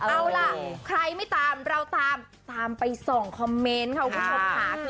เอาล่ะใครไม่ตามเราตามตามไปส่องคอมเมนต์ค่ะคุณผู้ชมค่ะ